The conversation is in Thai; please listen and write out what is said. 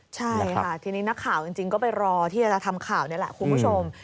ใช่ค่ะทีนี้นักข่าวจริงก็ไปรอที่จะทำข่าวนี่แหละคุณผู้ชม